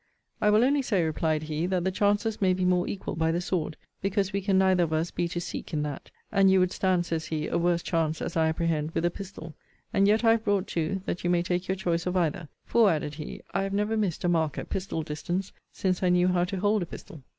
I will only say, replied he, that the chances may be more equal by the sword, because we can neither of us be to seek in that; and you would stand, says he, a worse chance, as I apprehend, with a pistol; and yet I have brought two, that you may take your choice of either; for, added he, I have never missed a mark at pistol distance, since I knew how to hold a pistol.